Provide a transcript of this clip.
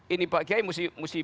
ini pak kiai mesti